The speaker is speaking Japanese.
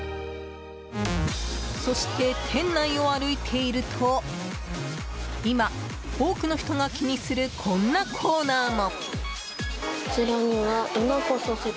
そして、店内を歩いていると今、多くの人が気にするこんなコーナーも。